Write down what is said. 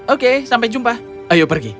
oke sampai jumpa ayo pergi